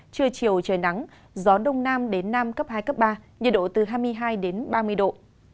trưa chiều trời nắng gió đông nam đến nam cấp hai cấp ba nhiệt độ từ hai mươi hai đến ba mươi độ